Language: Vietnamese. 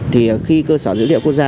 thì khi cơ sở dữ liệu quốc gia